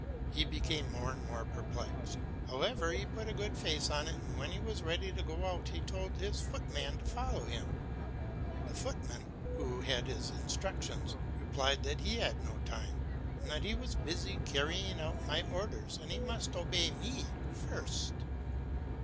He became more and more perplexed. However, he put a good face on it, and when he was ready to go out he told his foot man to follow him. The footman, who had his instructions, replied that he had no time, and that he was busy carrying out my orders, and he must obey me first.